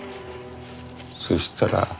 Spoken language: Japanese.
そしたら。